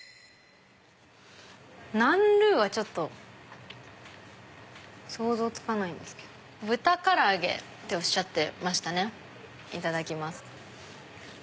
南乳はちょっと想像つかないですけど豚唐揚げっておっしゃってましたいただきます。